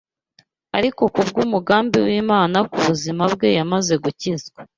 ariko kubw’umugambi w’Imana ku buzima bwe yamaze gukizwa